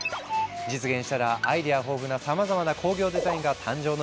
実現したらアイデア豊富なさまざまな工業デザインが誕生の予感